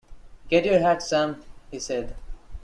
‘Get your hat, Sam,’ he said.